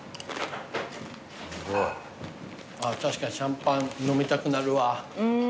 あっ確かにシャンパン飲みたくなるわ。